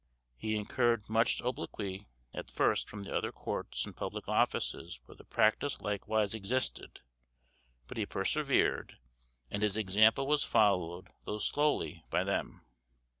He incurred much obloquy at first from the other courts and public offices where the practice likewise existed, but he persevered, and his example was followed, though slowly, by them.